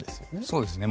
そうですね。